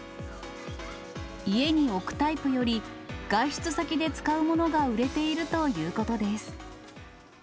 家に置くタイプより、外出先で使うものが売れているということです。